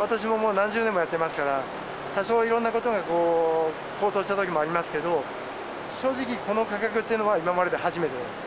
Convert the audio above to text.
私ももう何十年もやってますから、多少、いろんなことが高騰したときもありますけど、正直、この価格っていうのは、今までで初めてです。